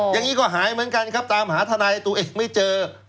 อย่างนี้ก็หายเหมือนกันครับตามหาทนายตัวเองไม่เจอ